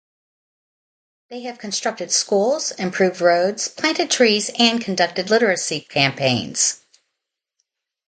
They have constructed schools, improved roads, planted trees and conducted literacy campaigns.